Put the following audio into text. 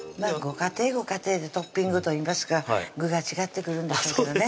家庭ご家庭でトッピングといいますか具が違ってくるんでしょうけどね